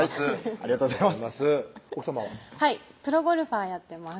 ありがとうございます